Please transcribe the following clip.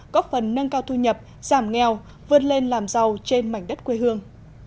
góp phần nâng cao thu nhập giảm nghèo vươn lên làm giàu trên mảnh đất quê hương